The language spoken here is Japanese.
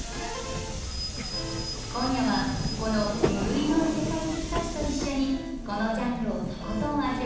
今夜はこの無類の異世界好きたちと一緒にこのジャンルをとことん味わう